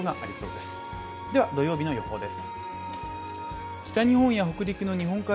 では土曜日の予報です。